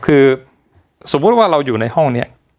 คือสมมุติว่าเราอยู่ในห้องนี้